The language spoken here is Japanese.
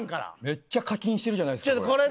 めっちゃ課金してるじゃないですかこれ。